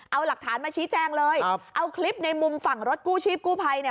เอาหลักฐานมาชี้แจงเลยเอาคลิปในมุมฝั่งรถกู้ชีพกู้ภัยเนี่ย